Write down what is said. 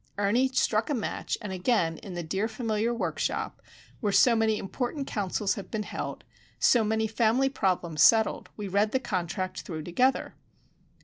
Ernie struck a match, and again in the dear, familiar workshop, where so many important councils have been held, so many family problems settled, we read the contract through together.